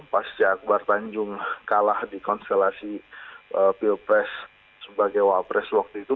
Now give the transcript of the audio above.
pasca akbar tanjung kalah di konstelasi pilpres sebagai wapres waktu itu